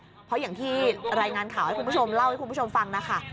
เพราะอย่างที่รายงานข่าวให้คุณผู้ชมเล่าให้คุณผู้ชมฟังนะคะ